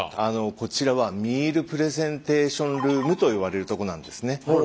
こちらはミールプレゼンテーションルームといわれる所なんですね。